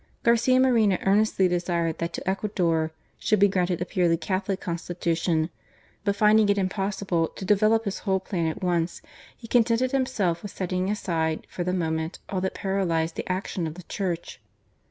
Garcia Moreno earnestly desired that to Ecuador should be granted a purely Catholic Con stitution, but finding it impossible to develope his whole plan at once, he contented himself with setting aside, for the moment, all that paralyzed the action of the Church.